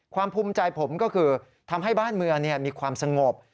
ภูมิใจผมก็คือทำให้บ้านเมืองมีความสงบ